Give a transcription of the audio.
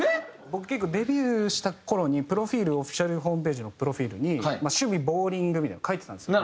僕結構デビューした頃にプロフィールオフィシャルホームページのプロフィールに「趣味ボウリング」みたいなのを書いてたんですよ。